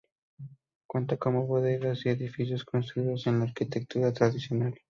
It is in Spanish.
Cuenta con bodegas y edificios construidos con la arquitectura tradicional.